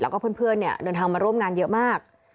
แล้วก็เพื่อนเดินทางมาร่วมงานเยอะมาก